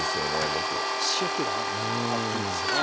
僕塩けがねあっていいですよね